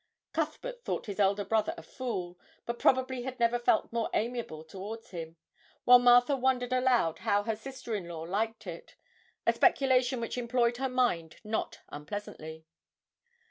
Cuthbert thought his elder brother a fool, but probably had never felt more amiable towards him, while Martha wondered aloud how her sister in law liked it a speculation which employed her mind not unpleasantly.